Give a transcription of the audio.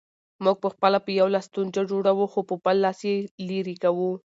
موږ پخپله په یو لاس ستونزه جوړوو، خو په بل لاس یې لیري کوو